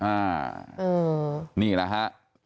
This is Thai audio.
อ่านี่แหละฮะ